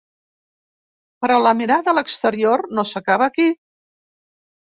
Però la mirada a l’exterior no s’acaba aquí.